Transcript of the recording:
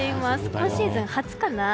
今シーズン初かな？